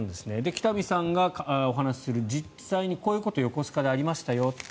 北見さんがお話しする実際にこういうことが横須賀でありましたよ。